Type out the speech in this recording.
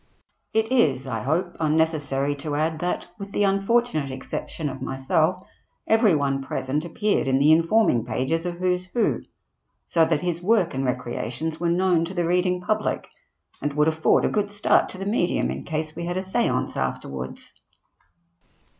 ... It is, I hope, unnecessary to add that, with the unfortunate exception of myself, every one present appeared in the informing pages of "Who's Who," so that his work and recreations were known to the reading public and would afford a good start to the medium in case we had a stance after wards.